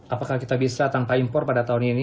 apakah kita bisa tanpa impor pada tahun ini